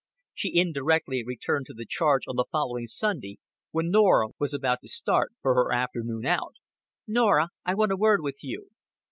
She indirectly returned to the charge on the following Sunday, when Norah was about to start for her afternoon out. "Norah, I want a word with you."